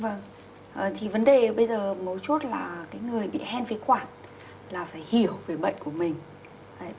vâng thì vấn đề bây giờ một chút là cái người bị hen với quản là phải hiểu về bệnh của mình